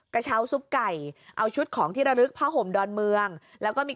กระเช้าซุปไก่เอาชุดของที่ระลึกผ้าห่มดอนเมืองแล้วก็มี